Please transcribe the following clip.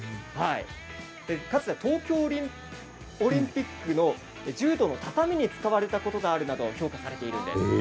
かつては東京オリンピックの柔道の畳に使われたことがあるなど評価されているんです。